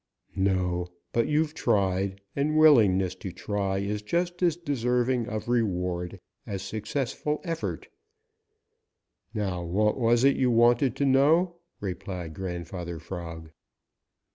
"No, but you've tried, and willingness to try is just as deserving of reward as successful effort. Now what was it you wanted to know?" replied Grandfather Frog.